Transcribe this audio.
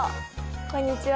こんにちは。